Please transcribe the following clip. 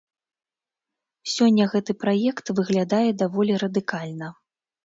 Сёння гэты праект выглядае даволі радыкальна.